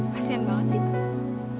kasian banget sih